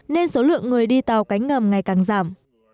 nên số lượng người đi tàu cánh ngầm ngày càng giảm